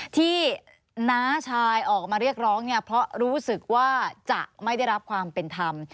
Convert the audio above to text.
น้าชายออกมาเรียกร้องเนี่ยเพราะรู้สึกว่าจะไม่ได้รับความเป็นธรรม